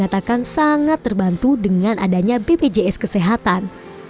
terbantu dengan adanya bpjs kesehatan